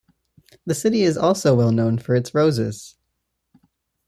The city is also well known for its roses.